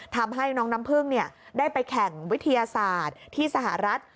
ทำให้น้องน้ำพึ่งได้ไปแข่งวิทยาศาสตร์ที่สหรัฐ